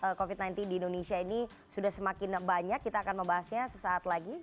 apakah covid sembilan belas di indonesia ini sudah semakin banyak kita akan membahasnya sesaat lagi